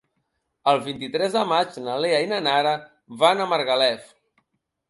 El vint-i-tres de maig na Lea i na Nara van a Margalef.